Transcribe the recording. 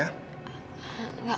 papa antar ya